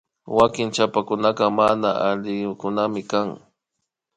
Wanki chapakuna mana alikunaminkan